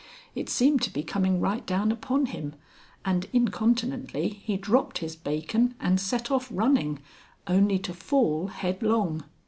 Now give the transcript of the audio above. It seemed to be coming right down upon him, and incontinently he dropped his bacon and set off running, only to fall headlong.